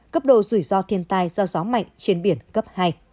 cấp độ rủi ro thiên tai do gió mạnh trên biển cấp hai